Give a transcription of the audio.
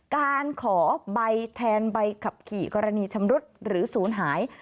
การขอใบแทนใบขับขี่กรณีชำรุดหรือศูนย์หาย